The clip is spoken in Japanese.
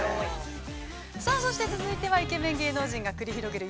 ◆さあそして、続いてはイケメン芸能人が繰り広げる